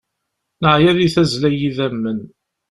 Neɛya di tazzla n yidammen.